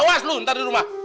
pas lu ntar di rumah